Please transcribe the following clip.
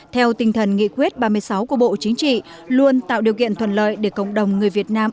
theo tinh thần nghị quyết ba mươi sáu của bộ chính trị luôn tạo điều kiện thuận lợi để cộng đồng người việt nam